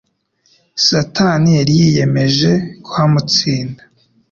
Satani yari yiyemeje kuhamutsinda.